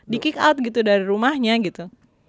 di kick out gitu dari rumahnya gitu